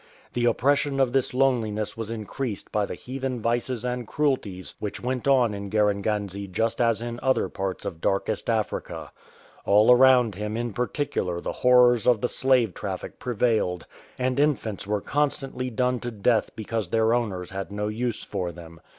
The oppression of this loneliness was increased by the heathen vices and cruelties which went on in Garenganze just as in other parts of Darkest Africa. All around him in particular the horrors of the slave traffic prevailed and infants were constantly done to death because their owners had no use for them.